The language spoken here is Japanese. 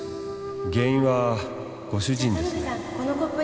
原因はご主人ですね